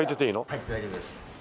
はい大丈夫です。